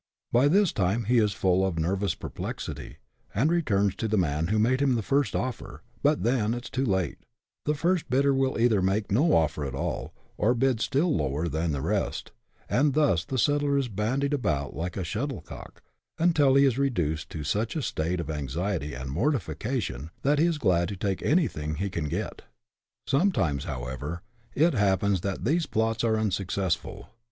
By this time he is full of nervous perplexity, and returns to the man who made him the first offer ; but it is then too late— the first bidder will either make no offer at all, or bid still lower than the rest ; and thus the settler is bandied about like a shuttlecock, until he is reduced to such a state of anxiety and mortification that he is glad to take anything he can get. Sometimes, however, it happens that these plots are unsuc cessful.